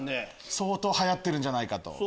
相当はやってるんじゃないかと。